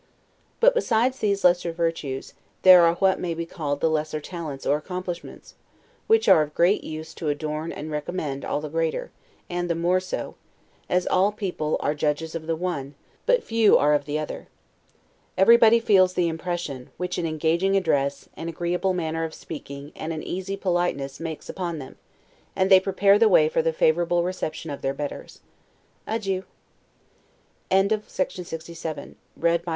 But besides these lesser virtues, there are what may be called the lesser talents, or accomplishments, which are of great use to adorn and recommend all the greater; and the more so, as all people are judges of the one, and but few are of the other. Everybody feels the impression, which an engaging address, an agreeable manner of speaking, and an easy politeness, makes upon them; and they prepare the way for the favorable reception of their betters. Adieu. LETTER XCIX LONDON, December 26, O. S.